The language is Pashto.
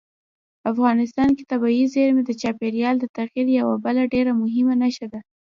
افغانستان کې طبیعي زیرمې د چاپېریال د تغیر یوه بله ډېره مهمه نښه ده.